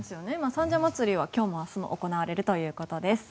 三社祭は今日も明日も行われるということです。